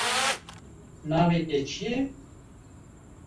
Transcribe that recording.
navê te çi ye